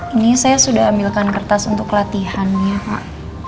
ini saya sudah ambilkan kertas untuk latihannya pak